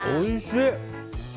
おいしい。